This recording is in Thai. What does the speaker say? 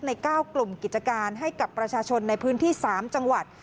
ใน๙กลุ่มกิจการให้กับประชาชนในพื้นที่๓จังหวัด